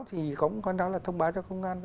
thì cũng có nói là thông báo cho công an